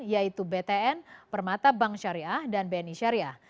yaitu btn permata bank syariah dan bni syariah